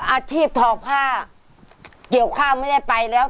อาชีพถอผ้าเกี่ยวข้าวไม่ได้ไปแล้ว